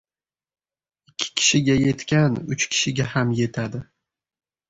• Ikki kishiga yetgan uch kishiga ham yetadi.